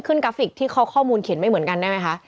กราฟิกที่เขาข้อมูลเขียนไม่เหมือนกันได้ไหมคะ